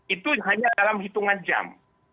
itu hanya dalam hitungan jam